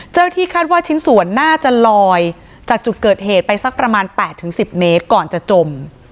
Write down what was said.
ที่คาดว่าชิ้นส่วนน่าจะลอยจากจุดเกิดเหตุไปสักประมาณ๘๑๐เมตรก่อนจะจม